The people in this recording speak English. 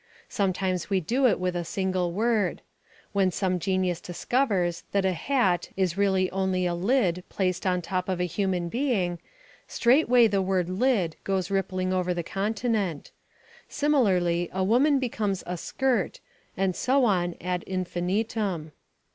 Sometimes we do it with a single word. When some genius discovers that a "hat" is really only "a lid" placed on top of a human being, straightway the word "lid" goes rippling over the continent. Similarly a woman becomes a "skirt," and so on ad infinitum.